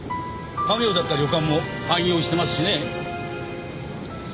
家業だった旅館も廃業してますしね。